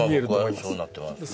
今僕はそうなってます